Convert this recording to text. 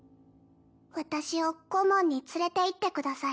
私をコモンに連れていってください。